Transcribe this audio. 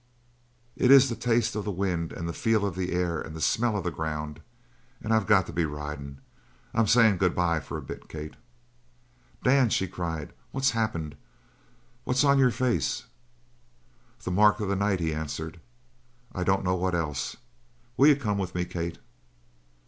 It is the taste of the wind and the feel of the air and the smell of the ground. And I've got to be ridin'. I'm saying good bye for a bit, Kate." "Dan," she cried, "what's happened? What's on your face?" "The mark of the night," he answered. "I don't know what else. Will you come with me, Kate?"